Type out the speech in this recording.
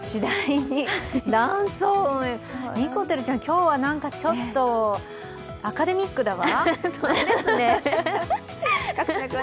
にこてるちゃん、今日はちょっとアカデミックだわ。